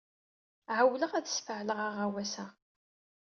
Ɛewwleɣ ad sfeɛleɣ aɣawas-a.